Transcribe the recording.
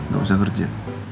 gak usah kerja